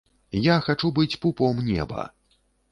Я хачу быць пупом неба.